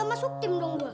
masuk tim dong gue